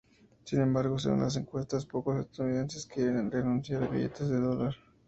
Sin embargo, según las encuestas, pocos estadounidenses quieren renunciar a billetes de dólar.